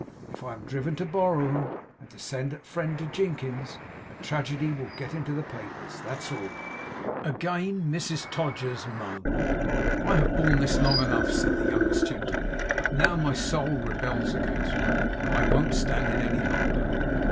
If I am driven to borrow 'em, and to send at friend to Jinkins, a tragedy will get into the papers. That's all.' Again Mrs Todgers moaned. 'I have borne this long enough,' said the youngest gentleman but now my soul rebels against it, and I won't stand it any longer.